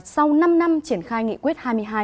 sau năm năm triển khai nghị quyết hai mươi hai